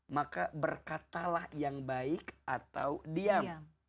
maka berkatalah yang baik atau diam